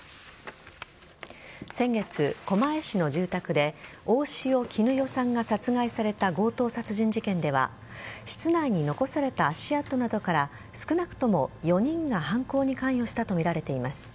先月、狛江市の住宅で大塩衣与さんが殺害された強盗殺人事件では室内に残された足跡などから少なくとも４人が犯行に関与したとみられています。